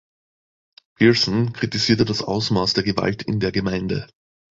Pearson kritisierte das Ausmaß der Gewalt in der Gemeinde.